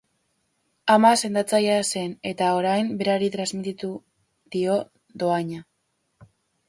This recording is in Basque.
Ama sendatzailea zen, eta, orain, berari transmititu dio dohaina.